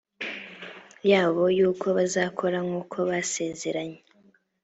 yabo yuko bazakora nk uko basezeranye